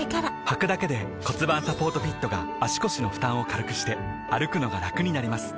はくだけで骨盤サポートフィットが腰の負担を軽くして歩くのがラクになります